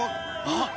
あっ！